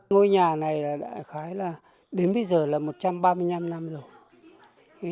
ngôi nhà này đã khái là đến bây giờ là một trăm ba mươi năm năm rồi